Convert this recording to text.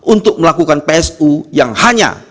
untuk melakukan psu yang hanya